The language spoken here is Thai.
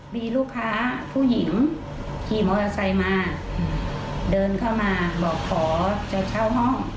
มีลูกค้าผู้หญิงขี่มอเตอร์ไซค์มาเดินเข้ามาบอกขอจะเช่าห้อง